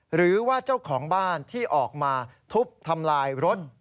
หรือว่าเจ้าของบ้านที่ออกมาทุบทำลายรถ